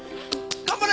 頑張れ！